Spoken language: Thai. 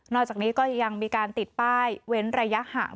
จากนี้ก็ยังมีการติดป้ายเว้นระยะห่าง